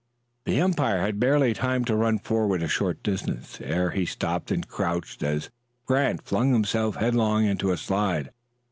The umpire had barely time to run forward a short distance ere he stopped and crouched as Grant flung himself headlong in a slide.